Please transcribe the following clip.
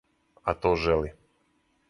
А то жели.